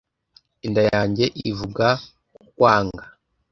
Inda yanjye ivuga kukwanga